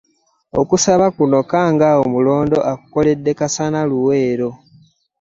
Okusaba kuno Kkangaawo Mulondo akukoledde Kasana Luweero